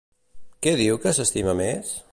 Què diu que s'estima més?